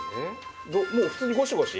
もう普通にゴシゴシ？